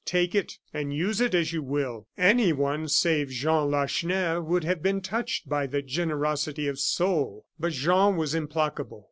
Take it, and use it as you will." Anyone save Jean Lacheneur would have been touched by the generosity of soul. But Jean was implacable.